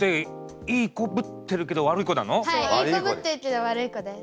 はいいい子ぶってるけど悪い子です。